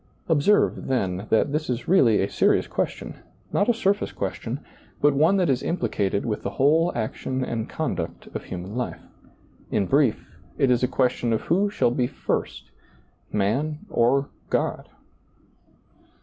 Observe, then, that ^lailizccbvGoOgle THE UNPROFITABLE SERVANT 55 this is really a serious question, not a surface question, but one that is implicated with the whole action and conduct of human life. In brief, it is a question of who shall be first — man or God